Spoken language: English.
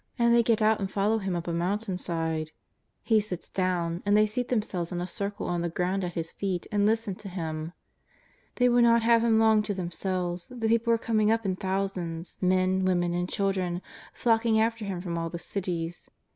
and they get out and follow Him up a mountain side, lie sits down, and thev scat themselves in a circle on the ground at His feet and listen to Him. They will not have Him long to themselves, the people are coming up in thousands — men, women and children '' flocking after Him from all the cities."